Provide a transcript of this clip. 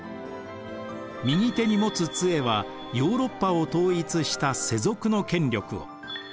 右手に持つつえはヨーロッパを統一した世俗の権力を。